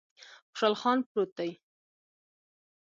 خوشحال خان پروت دی